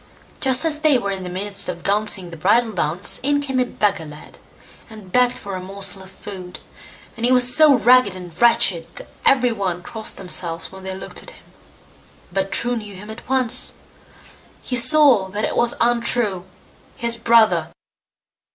Just as they were in the midst of dancing the bridal dance in came a beggar lad, and begged for a morsel of food, and he was so ragged and wretched that every one crossed themselves when they looked at him; but True knew him at once, and saw that it was Untrue, his brother.